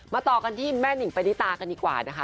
ต่อกันที่แม่นิงปณิตากันดีกว่านะคะ